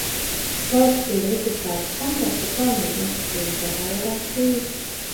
Kvalitatīvi likviditātes standarti ir galvenais nosacījums, lai pārvarētu krīzi.